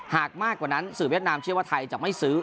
หากมากกว่านั้นสื่อเวียดนามเชื่อว่าไทยจะไม่ซื้อ